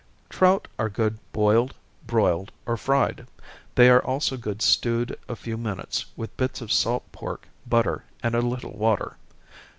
_ Trout are good boiled, broiled, or fried they are also good stewed a few minutes, with bits of salt pork, butter, and a little water.